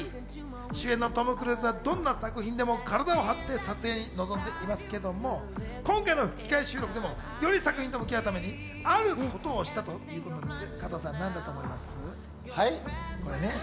主演のトム・クルーズはどんな作品でも体を張って撮影に臨んでいますけれども、今回の吹き替え収録でもより作品と向き合うためにあることをしていたそうなんです。